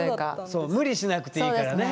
そう無理しなくていいからね！